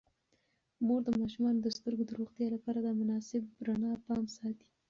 مور د ماشومانو د سترګو د روغتیا لپاره د مناسب رڼا پام ساتي.